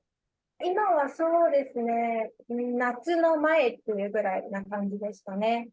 今は、そうですね、夏の前っていうぐらいな感じですかね。